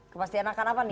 kepastian akan apa nih